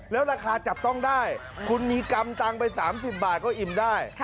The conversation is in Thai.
แล้วราคาจับต้องได้คุณมีกรรมตังค์ไป๓๐บาทก็อิ่มได้